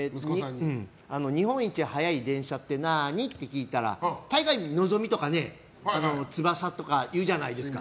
日本一速い電車ってなあに？って聞いたら大概「のぞみ」とか「つばさ」とか言うじゃないですか。